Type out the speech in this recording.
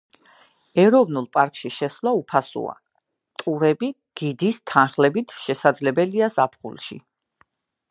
ეროვნულ პარკში შესვლა უფასოა, ტურები გიდის თანხლებით შესაძლებელია ზაფხულში.